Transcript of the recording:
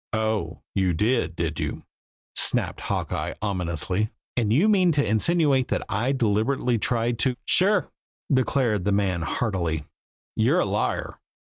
"Oh, you did, did you!" snapped Hawkeye ominously. "And you mean to insinuate that I deliberately tried to " "Sure!" declared the man heartily. "You're a liar!"